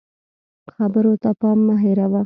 خبرو ته پام مه هېروه